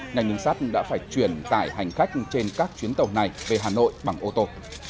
ngành đường sắt đã phải chuyển tải hành khách trên các chuyến tàu này về hà nội bằng ô tô